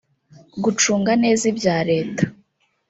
gucunga neza ibya Leta